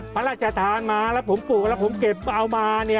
พระราชทานมาแล้วผมปลูกแล้วผมเก็บเอามาเนี่ย